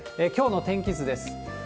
きょうの天気図です。